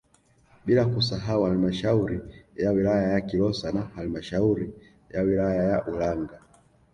Bila kusahau halmashauri ya wilaya ya Kilosa na halmashauri ya wilaya ya Ulanga